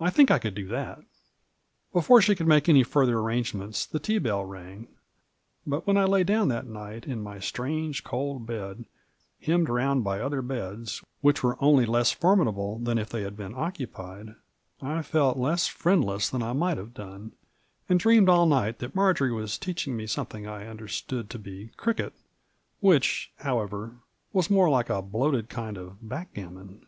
I think I could do that." Before she could make any further arrangements the tearbell rang; but when I lay down that night in my strange, cold bed, hemmed round by other beds, which were only less formidable than if they had been occupied, I felt less friendless than I might have done, and dreamed all night that Marjory was teaching me something I understood to be cricket, which, however, was more like a bloated kind of backgammon.